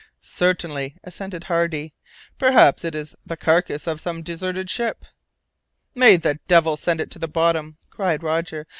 "Certainly!" assented Hardy. "Perhaps it is the carcase of some deserted ship." "May the devil send it to the bottom!" cried Roger.